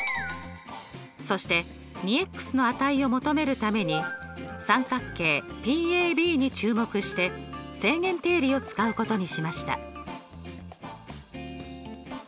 そして２の値を求めるために三角形ＰＡＢに注目して正弦定理を使うことにしました。